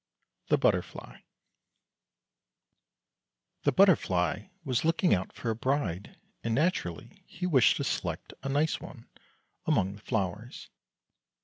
THE BUTTERFLY THE butterfly was looking out for a bride, and naturally he wished to select a nice one among the flowers.